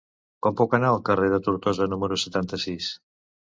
Com puc anar al carrer de Tortosa número setanta-sis?